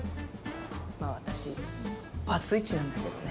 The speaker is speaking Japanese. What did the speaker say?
まあ私バツイチなんだけどね。